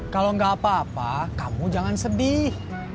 kalau nggak apa apa kamu jangan sedih